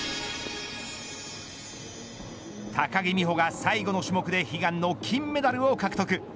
高木美帆が最後の種目で悲願の金メダルを獲得。